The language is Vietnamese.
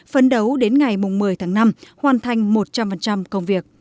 phấn đấu đến ngày một mươi tháng năm hoàn thành một trăm linh công việc